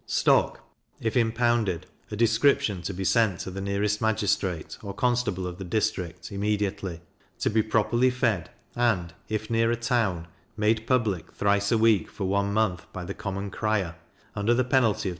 Stock, if impounded, a description to be sent to the nearest magistrate, or constable of the district, immediately; to be properly fed, and, if near a town, made public thrice a week for one month by the common crier, under the penalty of 2L.